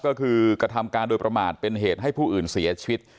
ก็คือกระทำการโดยประมาทเป็นเหตุให้ผู้อื่นเสียชีวิต